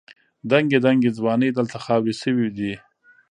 دنګې دنګې ځوانۍ دلته خاورې شوې دي.